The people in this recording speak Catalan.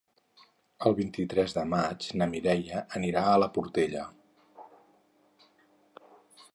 El vint-i-tres de maig na Mireia anirà a la Portella.